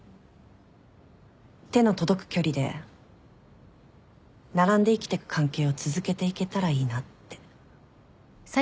手の届く距離で並んで生きてく関係を続けていけたらいいなって。